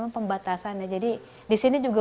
pembatasan jadi disini juga